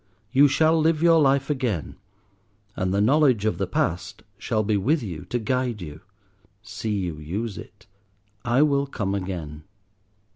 You shall live your life again, and the knowledge of the past shall be with you to guide you. See you use it. I will come again."